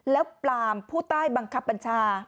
แล้วปลามผู้ใต้บังคับบัญชา